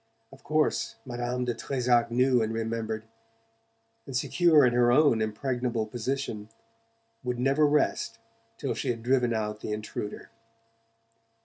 Of course Madame de Trezac knew and remembered, and, secure in her own impregnable position, would never rest till she had driven out the intruder.